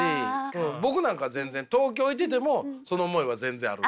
僕なんか全然東京いててもその思いは全然あるんで。